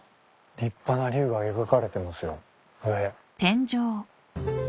立派な竜が描かれてますよ上。